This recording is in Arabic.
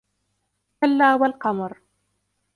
كلا والقمر